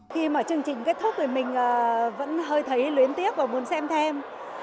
khi mà chương trình kết thúc thì mình vẫn hơi thấy luyến tiếc và muốn xem thêm